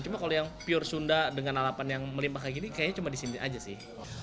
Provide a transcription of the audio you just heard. cuma kalau yang pure sunda dengan lalapan yang melimpah kayak gini kayaknya cuma di sini aja sih